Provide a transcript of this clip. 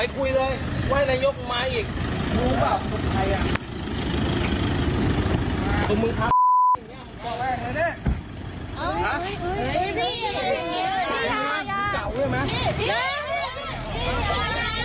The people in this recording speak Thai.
ก็จะมีเสื้อแดง